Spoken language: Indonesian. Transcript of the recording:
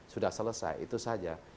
sudah selesai itu saja